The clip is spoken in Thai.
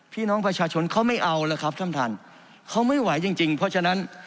พี่น้องประชาชนเขาไม่เอาแล้วครับท่านท่านเขาไม่ไหวจริงจริงเพราะฉะนั้น